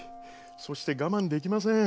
そして我慢できません。